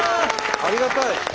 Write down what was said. ありがたい！